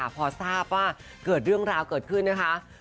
พอทราบว่าเกิดเรื่องราวเกิดขึ้นนะคะ